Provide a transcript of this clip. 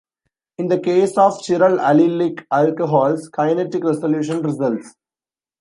In the case of chiral allylic alcohols, kinetic resolution results.